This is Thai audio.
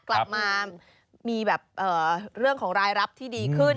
กลับมามีแบบเรื่องของรายรับที่ดีขึ้น